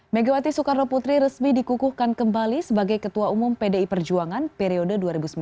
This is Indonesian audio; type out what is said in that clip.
megawati soekarno putri resmi dikukuhkan kembali sebagai ketua umum pdi perjuangan periode dua ribu sembilan belas dua ribu dua